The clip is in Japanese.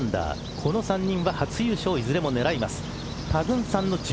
この３人は初優勝をいつでも狙えます。